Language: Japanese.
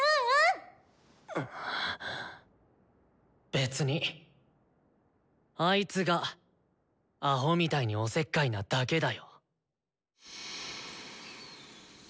別にあいつがアホみたいにおせっかいなだけだよ。